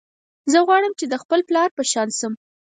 زه غواړم چې د خپل پلار په شان شم